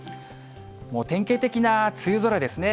もう典型的な梅雨空ですね。